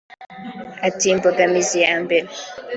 Ati “ Imbogamizi ya mbere